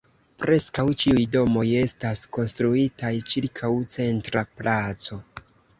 Preskaŭ ĉiuj domoj estas konstruitaj ĉirkaŭ centra placo.